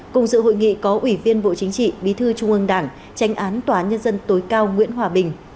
cùng dự hội nghị có ủy viên bộ chính trị bí thư trung ương đảng tranh án tòa nhân dân tối cao nguyễn hòa bình